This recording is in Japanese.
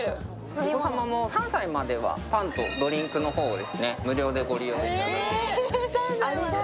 お子様も３歳まではパンとドリンクを無料でご利用いだたけます。